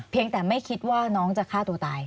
แต่ไม่คิดว่าน้องจะฆ่าตัวตาย